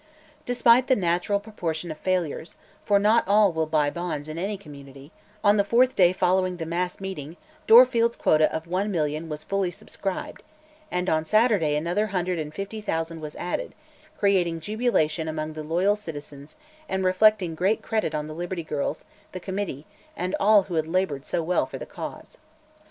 Despite the natural proportion of failures for not all will buy bonds in any community on the fourth day following the mass meeting Dorfield's quota of one million was fully subscribed, and on Saturday another hundred and fifty thousand was added, creating jubilation among the loyal citizens and reflecting great credit on the Liberty Girls, the Committee, and all who had labored so well for the cause.